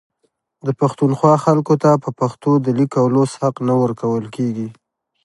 د پښتونخوا خلکو ته په پښتو د لیک او لوست حق نه ورکول کیږي